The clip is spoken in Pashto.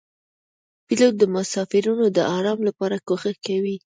پیلوټ د مسافرینو د آرام لپاره کوښښ کوي.